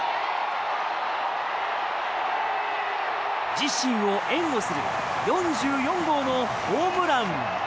自身を援護する４４号のホームラン。